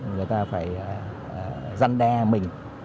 và dân đe mình